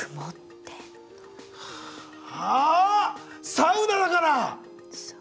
サウナだから！